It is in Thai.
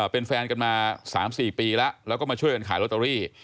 เป็นแฟนกันมา๓๔ปีแล้วแล้วก็มาช่วยกันขายลอตเตอรี่